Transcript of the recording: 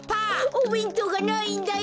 おべんとうがないんだよ。